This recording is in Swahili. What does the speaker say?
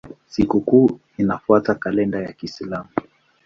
Sikukuu inafuata kalenda ya Kiislamu.